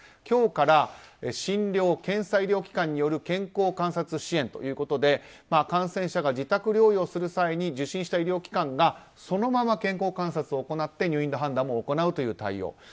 今日から診療・検査医療機関による健康観察支援ということで感染者が自宅療養する際に受診した医療機関がそのまま健康観察を行って入院の判断も行うという対応。